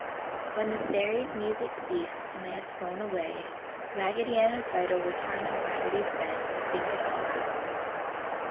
When the Fairies' music ceased and they had flown away, Raggedy Ann and Fido returned to Raggedy's bed to think it all out.